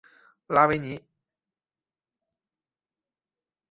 拉维尼。